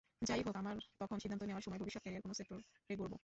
যা-ই হোক, আমার তখন সিদ্ধান্ত নেওয়ার সময়, ভবিষ্যৎ ক্যারিয়ার কোন সেক্টরে গড়ব।